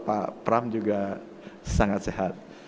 pak pram juga sangat sehat